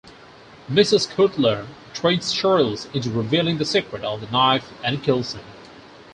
Mrs. Coulter tricks Charles into revealing the secret of the knife and kills him.